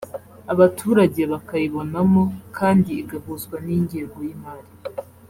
abaturage bakayibonamo kandi igahuzwa n’ingengo y’imari